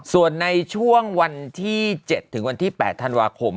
ส่วนในช่วงวันที่๗ถึงวันที่๘ธันวาคม